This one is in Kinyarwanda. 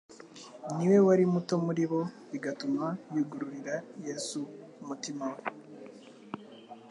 Ni we wari muto muri bo, bigatuma yugururira Yesu umutima we